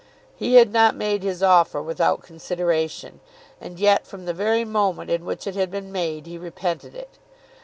He had not made his offer without consideration, and yet from the very moment in which it had been made he repented it.